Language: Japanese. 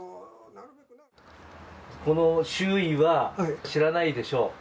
この周囲は知らないでしょう。